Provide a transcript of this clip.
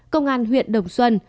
công an huyện đồng xuân